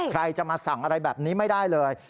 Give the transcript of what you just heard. ใครจะมาสั่งอะไรแบบนี้ไม่ได้เลย